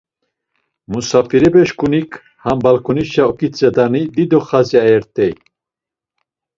Musafirepeşǩunik ham balǩonişe oǩitzedani dido xazi ayert̆ey.